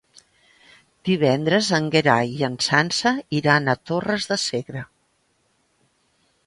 Divendres en Gerai i na Sança iran a Torres de Segre.